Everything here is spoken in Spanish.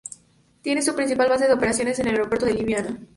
Tiene su principal base de operaciones en el aeropuerto de Liubliana.